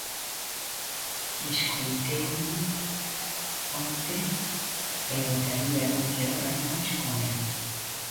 Escoiteino onte, e botaría doce horas máis con el.